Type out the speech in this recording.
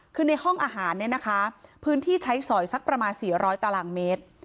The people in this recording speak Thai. คือในห้องอาหารเนี่ยนะคะพื้นที่ใช้สอยสักประมาณ๔๐๐ตารางเมตร